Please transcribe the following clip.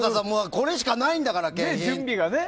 これしかないんだから、景品。